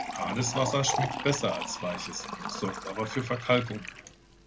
Hartes Wasser schmeckt besser als weiches, sorgt aber für Verkalkung.